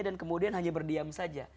dan kemudian hanya berdiam saja